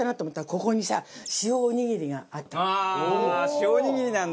塩おにぎりなんだ！